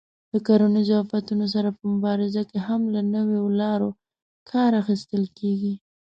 د کرنیزو آفتونو سره په مبارزه کې هم له نویو لارو کار اخیستل کېږي.